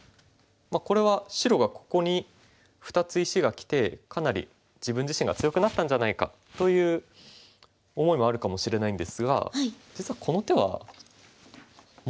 これは白がここに２つ石がきてかなり自分自身が強くなったんじゃないかという思いもあるかもしれないんですが実はこの手はもっと強いんです。